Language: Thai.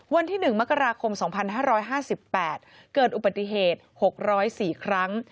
วันที่๑มกราคม๒๕๕๘เกิดอุบัติเหตุ๖๐๔ครั้ง